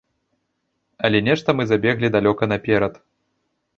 Але нешта мы забеглі далёка наперад.